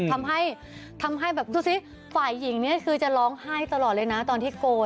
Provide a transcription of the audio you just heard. ทำให้ทำให้แบบดูสิฝ่ายหญิงเนี่ยคือจะร้องไห้ตลอดเลยนะตอนที่โกน